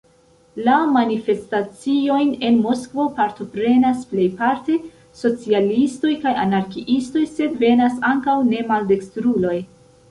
La manifestaciojn en Moskvo partoprenas plejparte socialistoj kaj anarkiistoj, sed venas ankaŭ ne-maldekstruloj.